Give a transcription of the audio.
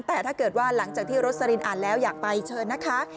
แต่ถ้าเกิดว่าหลังจากที่โรสลินอ่านแล้วอยากไปเชิญนะคะ